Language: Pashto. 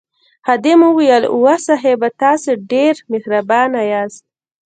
خادم وویل اوه صاحبه تاسي ډېر مهربان یاست.